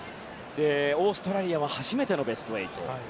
オーストラリアは初めてのベスト８。